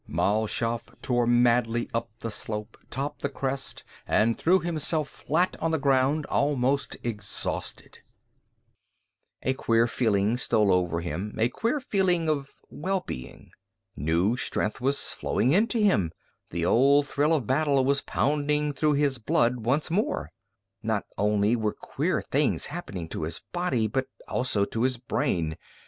Mal Shaff tore madly up the slope, topped the crest, and threw himself flat on the ground, almost exhausted. A queer feeling stole over him, a queer feeling of well being. New strength was flowing into him, the old thrill of battle was pounding through his blood once more. Not only were queer things happening to his body, but also to his brain.